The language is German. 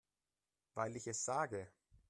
Weil ich es sage.